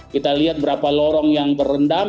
kita lihat berapa lorong yang terendam